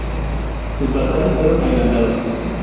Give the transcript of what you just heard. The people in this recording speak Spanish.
Sus bazares fueron agrandados.